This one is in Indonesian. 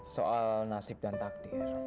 soal nasib dan takdir